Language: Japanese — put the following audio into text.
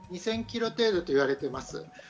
２０００キロ程度といわれています。